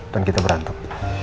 dan kita berantem